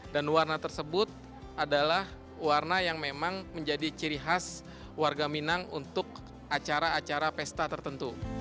dan warna tersebut adalah warna yang memang menjadi ciri khas warga minang untuk acara acara pesta tertentu